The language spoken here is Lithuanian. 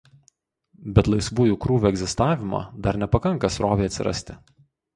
Bet laisvųjų krūvių egzistavimo dar nepakanka srovei atsirasti.